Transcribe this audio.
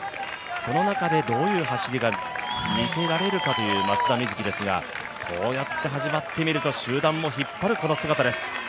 その中でどういう走りが見せられるかという松田瑞生ですが、こうやって始めると集団も引っ張るこの姿です。